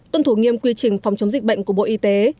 tuân thủ nghiêm quy trình phòng chống dịch bệnh của bộ y tế